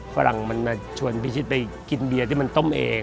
ฝรั่งมันมาชวนพิชิตไปกินเบียร์ที่มันต้มเอง